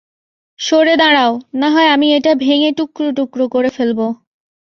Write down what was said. সরে দাঁড়াও, নাহয় আমি এটা ভেঙ্গে টুকরো টুকরো করে ফেলবো!